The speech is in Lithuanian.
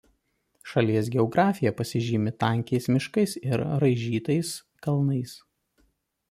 Šalies geografija pasižymi tankiais miškais ir raižytais kalnais.